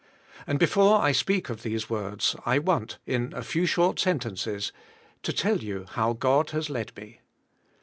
And be fore I speak of these words I want, in a few short sentences, to tell you how God has led me.